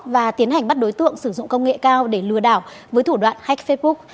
và tiến hành bắt đối tượng sử dụng công nghệ cao để lừa đảo với thủ đoạn hách facebook